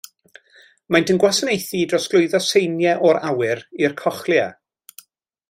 Maent yn gwasanaethu i drosglwyddo seiniau o'r awyr i'r cochlea.